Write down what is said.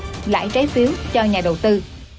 trả lại trái phiếu cho nhà đầu tư